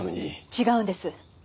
違うんです。